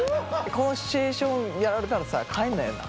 このシチュエーションやられたらさ帰んないよな。